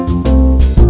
anh hải hả